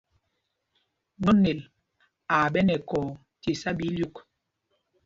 Nonel aa ɓɛ nɛ ɛkɔɔ tí isá ɓɛ ílyûk.